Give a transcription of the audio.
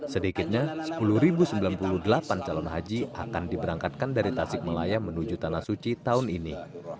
sedikitnya sepuluh sembilan puluh delapan calon haji akan diberangkatkan dari tasik malaya menuju tanah suci tahun ini